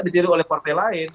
dijadikan oleh partai lain